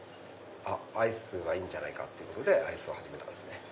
アイスはいいんじゃないかってアイスを始めたんですね。